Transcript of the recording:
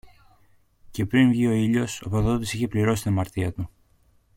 Και πριν βγει ο ήλιος, ο προδότης είχε πληρώσει την αμαρτία του.